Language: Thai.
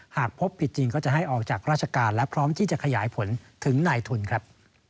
หากพบผิดจริงก็จะให้ออกจากราชการและพร้อมที่จะขยายผลถึงนายทุนครับ